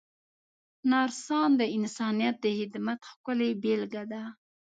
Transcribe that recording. نرسان د انسانیت د خدمت ښکلې بېلګه ده.